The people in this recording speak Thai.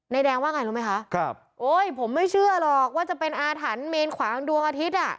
แดงว่าไงรู้ไหมคะครับโอ้ยผมไม่เชื่อหรอกว่าจะเป็นอาถรรพ์เมนขวางดวงอาทิตย์อ่ะ